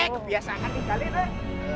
kebiasaan ini kali ini